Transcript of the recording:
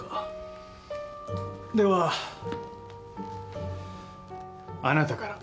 ではあなたから。